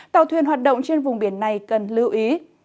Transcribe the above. tàu thuyền hoạt động trên vùng biển này cần lưu ý